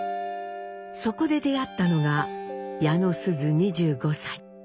そこで出会ったのが矢野須壽２５歳。